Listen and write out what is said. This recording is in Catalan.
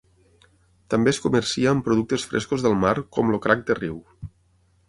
També es comercia amb productes frescos del mar com el crac de riu.